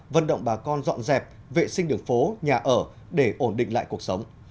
vận động bà con dọn dẹp vệ sinh đường phố nhà ở để ổn định lại cuộc sống